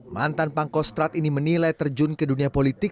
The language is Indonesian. mantan pangkostrat ini menilai terjun ke dunia politik